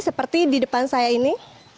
seperti di depan saya ini